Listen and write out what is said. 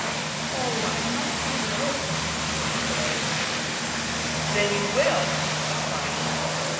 "Oh, I must think it over," she begged. "Then you will!" he triumphed.